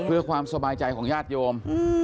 เพื่อความสบายใจของญาติโยม